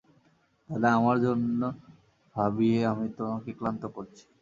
দাদা, আমার জন্যে ভাবিয়ে আমি তোমাকে ক্লান্ত করছি।